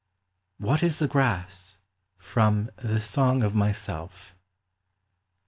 WHAT IS THE GRASS? FROM " THE SONG OF MYSELF."